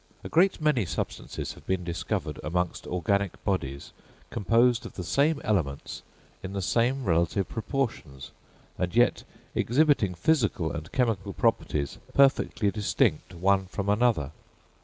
A great many substances have been discovered amongst organic bodies, composed of the same elements in the same relative proportions, and yet exhibiting physical and chemical properties perfectly distinct one from another.